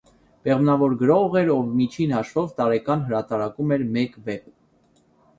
Բեղմնավոր գրող էր, ով միջին հաշվով, տարեկան հրատարակում էր մեկ վեպ։